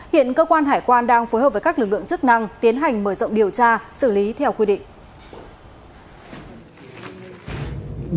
hiện cơ quan hải quan đang phối hợp với các lực lượng chức năng tiến hành mở rộng điều tra xử lý theo quy định